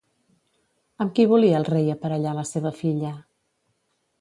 Amb qui volia el rei aparellar la seva filla?